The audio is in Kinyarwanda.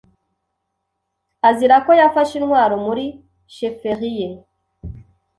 azira ko yafashe intwaro muri chefferie ye